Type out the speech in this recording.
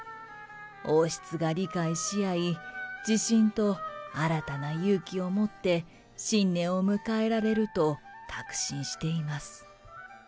王室が理解し合い、自信と新たな勇気を持って新年を迎えられると確信しています。